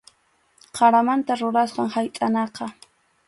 Qaramanta rurasqam haytʼanaqa.